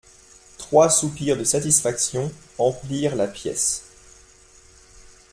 Trois soupirs de satisfaction emplirent la pièce.